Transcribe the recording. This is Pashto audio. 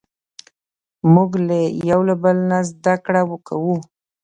موږ له یو بل نه زدهکړه کوو.